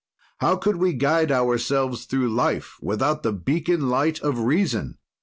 "How could we guide ourselves through life without the beacon light of reason?